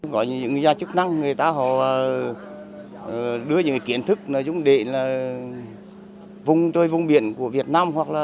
có những gia chức năng người ta họ đưa những kiến thức chúng định là vùng trôi vùng biển của việt nam